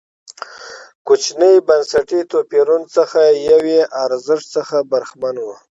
کوچنیو بنسټي توپیرونو څخه یو یې ارزښت څخه برخمن و.